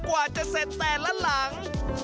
กว่าจะเสร็จแต่ละหลัง